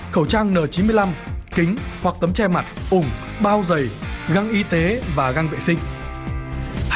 khẩu trang n chín mươi năm kính hoặc tấm che mặt ủng bao dày găng y tế và găng vệ sinh